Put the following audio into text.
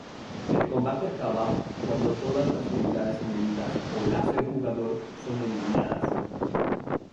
El combate acaba cuando todas las unidades enemigas o las del jugador son eliminadas.